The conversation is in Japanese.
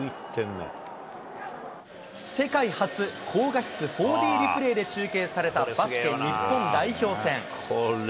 世界初、高画質４Ｄリプレイで中継されたバスケ日本代表戦。